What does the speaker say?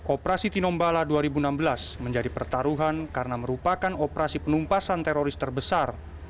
operasi tinombala dua ribu enam belas menjadi pertaruhan karena merupakan operasi penumpasan teroris terbesar